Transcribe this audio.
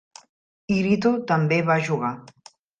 Irito també va jugar.